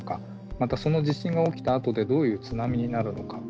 またその地震が起きたあとでどういう津波になるのか。